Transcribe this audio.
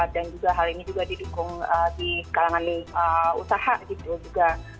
dan juga hal ini juga didukung di kalangan usaha gitu juga